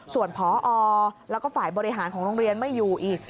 ส่วนพอแล้วก็ฝ่ายบริหารของโรงเรียนไม่อยู่อีก